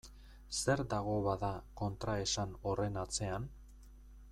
Zer dago, bada, kontraesan horren atzean?